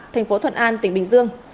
thành phố thuận an tỉnh bình dương